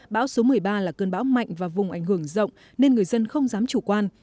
bão số một mươi ba là cơn bão mạnh và vùng ảnh hưởng rộng nên người dân không dám chủ quan